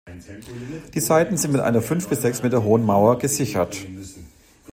Die Seiten sind mit einer fünf bis sechs Meter hohen Mauer gesichert.